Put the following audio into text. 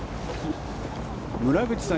村口さん